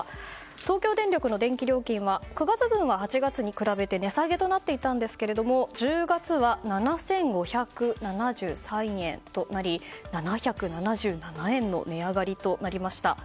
東京電力の電気料金は９月分は８月に比べて値下げとなっていたんですが１０月は７５７３円となり７７７円の値上がりとなりました。